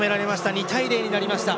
２対０になりました。